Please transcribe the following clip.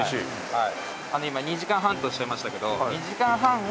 はい。